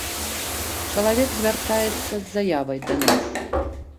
Чалавек звяртаецца з заявай да нас.